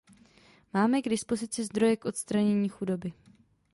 Máme k dispozici zdroje k odstranění chudoby.